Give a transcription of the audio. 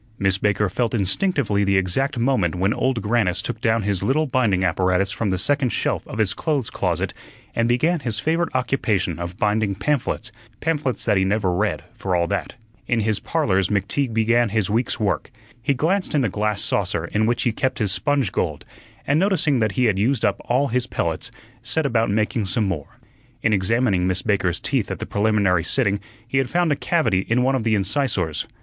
Miss Baker felt instinctively the exact moment when Old Grannis took down his little binding apparatus from the second shelf of his clothes closet and began his favorite occupation of binding pamphlets pamphlets that he never read, for all that. In his "Parlors" McTeague began his week's work. He glanced in the glass saucer in which he kept his sponge gold, and noticing that he had used up all his pellets, set about making some more. In examining Miss Baker's teeth at the preliminary sitting he had found a cavity in one of the incisors.